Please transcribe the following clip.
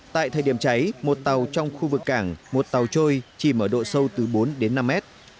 tại thời điểm cháy một tàu trong khu vực cảng một tàu trôi chỉ mở độ sâu từ bốn đến năm mét